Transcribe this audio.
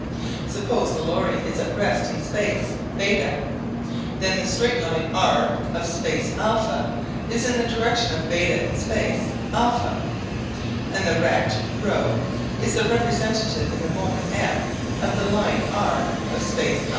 Suppose the lorry is at rest in space β. Then the straight line r of space α is in the direction of β in space α, and the rect ρ is the representative in the moment M of the line r of space α.